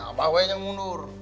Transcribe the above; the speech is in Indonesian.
abah yang mundur